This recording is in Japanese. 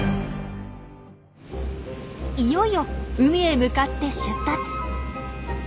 いよいよ海へ向かって出発。